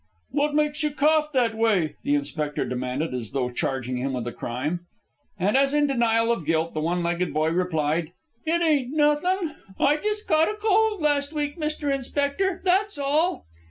"What makes you cough that way?" the inspector demanded, as though charging him with crime. And as in denial of guilt, the one legged boy replied: "It ain't nothin'. I jes' caught a cold last week, Mr. Inspector, that's all."